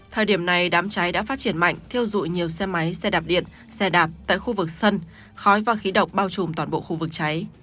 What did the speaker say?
thời điểm này đám cháy đã phát triển mạnh thiêu dụi nhiều xe máy xe đạp điện xe đạp tại khu vực sân khói và khí độc bao trùm toàn bộ khu vực cháy